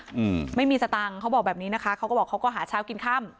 อืมไม่มีสตังค์เขาบอกแบบนี้นะคะเขาก็บอกเขาก็หาเช้ากินค่ำ